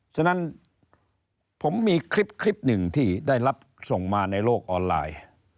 ฉะนั้นผมมีคลิปหนึ่งที่ได้รับส่งมาในโลกออนไลน์